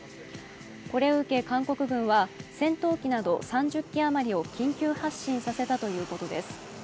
これを受け韓国軍は戦闘機など３０機余りを緊急発進させたということです。